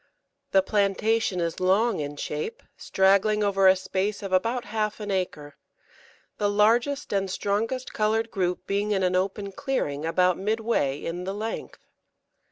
The plantation is long in shape, straggling over a space of about half an acre, the largest and strongest coloured group being in an open clearing about midway in the length.